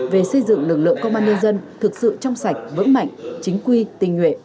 về xây dựng lực lượng công an nhân dân thực sự trong sạch vững mạnh chính quy tình nguyện